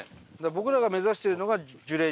僕らが目指してるのが樹齢